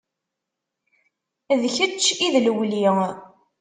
D kečč i d lewli.